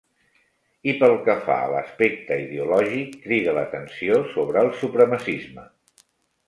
I pel que fa a l’aspecte ideològic, cride l'atenció sobre el supremacisme.